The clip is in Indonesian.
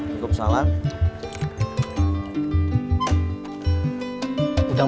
yang beli bintang